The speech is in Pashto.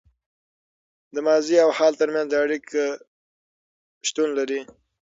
د ماضي او حال تر منځ اړیکه شتون لري.